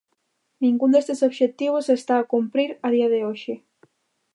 Ningún destes obxectivos se está a cumprir a día de hoxe.